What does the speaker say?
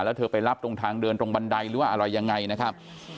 แล้วเธอไปรับตรงทางเดินตรงบันไดหรือว่าอะไรยังไงนะครับ